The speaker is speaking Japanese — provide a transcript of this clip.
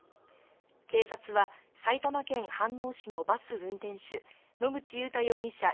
警察は、埼玉県飯能市のバス運転手、野口祐太容疑者